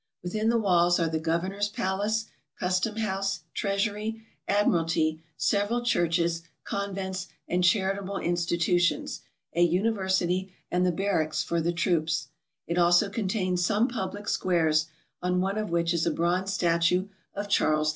Within the walls are the governor's palace, cus tom house, treasury, admiralty, several churches, convents, and charitable institutions, a university, and the barracks for the troops ; it also contains some public squares, on one of which is a bronze statue of Charles IV.